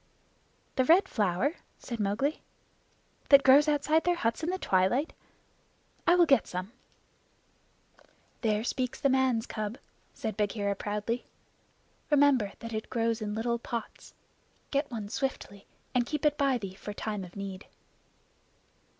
"The Red Flower?" said Mowgli. "That grows outside their huts in the twilight. I will get some." "There speaks the man's cub," said Bagheera proudly. "Remember that it grows in little pots. Get one swiftly, and keep it by thee for time of need."